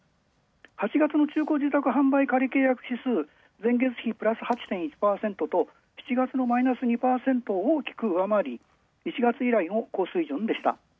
８月の中古住宅販売仮契約はプラス８．１％と７月のマイナス２％を大きく下回り１月以来の高水準でした。